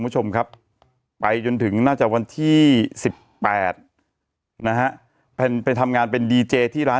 มีชมครับไปจนถึงหน้าจากวันที่๑๘นะฮะเป็นไปทำงานเป็นดีเจย์ที่ร้าน